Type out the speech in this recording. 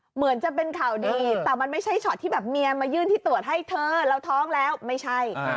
เหมือนจะเป็นข่าวดีแต่มันไม่ใช่ช็อตที่แบบเมียมายื่นที่ตรวจให้เธอเราท้องแล้วไม่ใช่